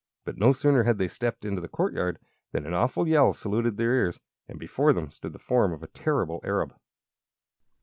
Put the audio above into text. But no sooner had they stepped into the courtyard than an awful yell saluted their ears, and before them stood the form of the terrible Arab!